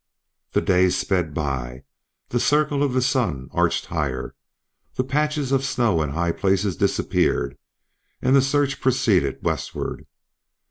The days sped by; the circle of the sun arched higher; the patches of snow in high places disappeared; and the search proceeded westward.